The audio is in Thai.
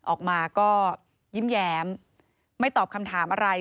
ออกมาก็ยิ้มแย้มไม่ตอบคำถามอะไร